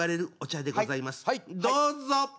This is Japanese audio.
どうぞ！